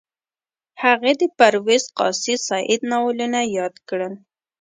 هغې د پرویز قاضي سعید ناولونه یاد کړل